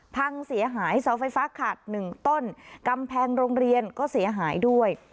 พังเสียหายเสาไฟฟ้าขาดหนึ่งต้นกำแพงโรงเรียนก็เสียหายด้วย